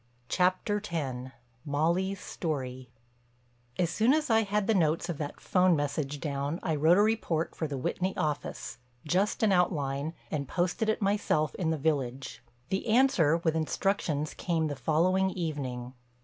CHAPTER X—MOLLY'S STORY As soon as I had the notes of that 'phone message down I wrote a report for the Whitney office—just an outline—and posted it myself in the village. The answer with instructions came the following evening.